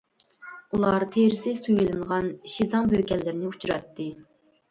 ئۇلار تېرىسى سويۇۋېلىنغان شىزاڭ بۆكەنلىرىنى ئۇچراتتى.